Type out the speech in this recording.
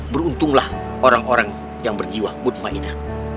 beruntunglah orang orang yang berjiwa mudfaina